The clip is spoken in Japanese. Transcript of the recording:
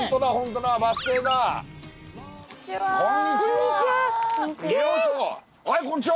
はいこんにちは！